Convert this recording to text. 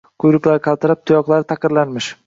Quyruqlari qaltirab, tuyoqlari taqirlarmish